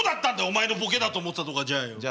お前のボケだと思ってたとこはじゃあよう。